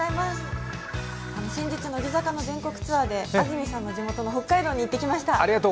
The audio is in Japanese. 先日、乃木坂の全国ツアーで安住さんの地元の北海道に行ってきました。